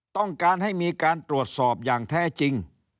ต้องการให้มีการตรวจสอบอย่างแท้จริง